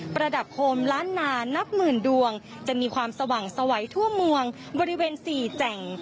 ระดับโฮมล้านนานับหมื่นดวงจะมีความสว่างสวัยทั่วเมืองบริเวณ๔แจ่ง